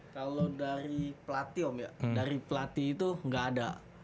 kalau dari pelatih om ya dari pelatih itu nggak ada